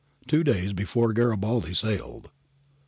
[Two days before Garibaldi sailed.